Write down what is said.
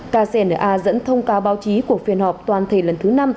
kcna dẫn thông cáo báo chí của phiên họp toàn thể lần thứ năm